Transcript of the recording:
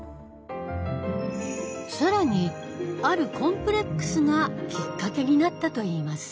更にあるコンプレックスがきっかけになったと言います。